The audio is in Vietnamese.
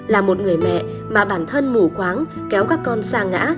là một người mẹ mà bản thân mù quáng kéo các con xa ngã